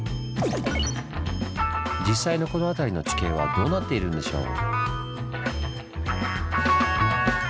実際のこの辺りの地形はどうなっているんでしょう？